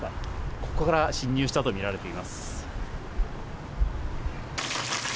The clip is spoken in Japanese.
ここから侵入したと見られています。